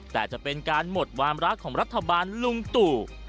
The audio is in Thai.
แต่จะเป็นการหมดความรักของรัฐบาลลุงตู่